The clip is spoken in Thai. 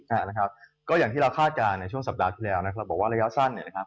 อ่านะครับก็อย่างที่เราคาดการณ์ในช่วงสัปดาห์ที่แล้วนะครับบอกว่าระยะสั้นเนี่ยนะครับ